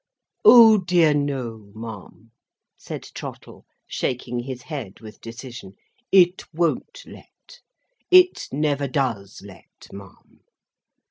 "O, dear no, ma'am," said Trottle, shaking his head with decision; "it won't let. It never does let, ma'am."